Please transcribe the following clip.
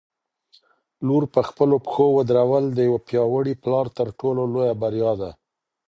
لور په خپلو پښو ودرول د یو پیاوړي پلار تر ټولو لویه بریا ده.